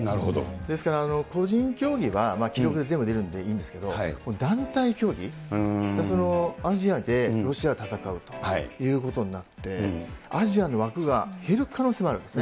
ですから、個人競技は記録で全部出るんでいいんですけど、団体競技、アジアでロシアが戦うということになって、アジアの枠が減る可能性もあるんですね。